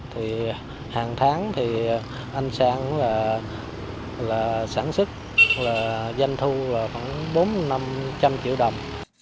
thì hàng tháng thì anh sang cũng là sản xuất là doanh thu là khoảng bốn năm trăm linh triệu đồng